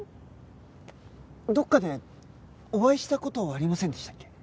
どこかでお会いした事ありませんでしたっけ？